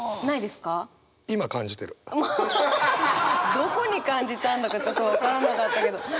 ハハハハどこに感じたんだかちょっと分からなかったけど。